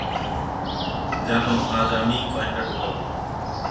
জানো, আজ আমিই কয়েনটা ঢোকাব।